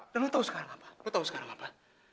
dan lo tau sekarang apa lo tau sekarang apa